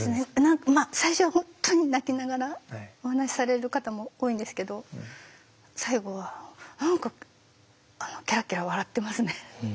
最初は本当に泣きながらお話しされる方も多いんですけど最後は何かケラケラ笑ってますね。